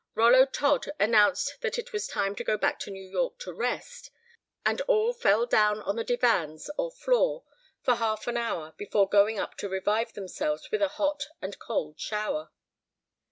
Rollo Todd announced that it was time to go back to New York to rest, and all fell down on the divans or floor for half an hour before going up to revive themselves with a hot and cold shower.